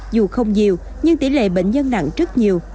dù không nhiều nhưng tỷ lệ bệnh nhân nặng rất nhiều